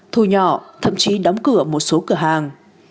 thù nhỏ thậm chí đóng cửa một số cửa hàng